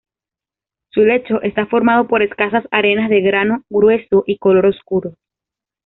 Su lecho está formado por escasas arenas de grano grueso y color oscuro.